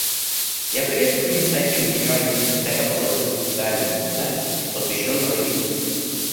Я приветствую инициативу Генерального секретаря по созыву специального заседания, посвященного этой теме.